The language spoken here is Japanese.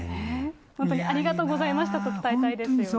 本当にありがとうございましたと伝えたいですよね。